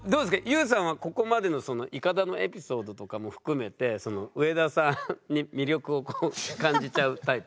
ＹＯＵさんはここまでのイカダのエピソードとかも含めて上田さんに魅力を感じちゃうタイプですか？